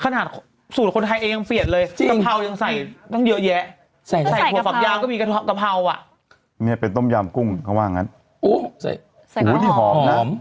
เนอะครับ